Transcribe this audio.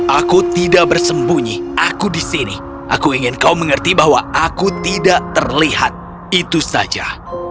aku tidak bersembunyi aku di sini aku ingin kau mengerti bahwa aku tidak terlihat itu saja